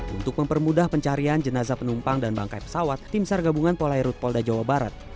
untuk mempermudah pencarian jenazah penumpang dan bangkai pesawat tim sar gabungan polairut polda jawa barat